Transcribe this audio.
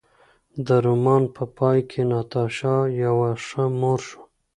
د رومان په پای کې ناتاشا یوه ښه مور شوه.